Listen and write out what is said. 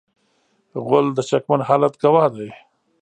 غول د شکمن حالت ګواه دی.